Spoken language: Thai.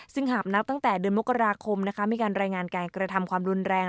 ซึ่งหากนับตั้งแต่เดือนมกราคมมีการรายงานการกระทำความรุนแรง